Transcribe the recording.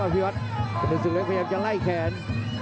พันธุ์สุดเล็กพยายามจะไล่แขน